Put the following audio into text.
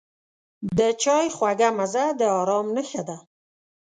د چای خوږه مزه د آرام نښه ده.